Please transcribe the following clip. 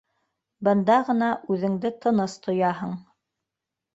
Бында ғына үҙеңде тыныс тояһың...